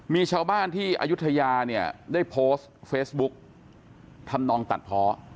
มีชาวบ้านที่อายุทยาเนี่ยได้โพสต์เฟซบุ๊กทำนองตัดเพาะ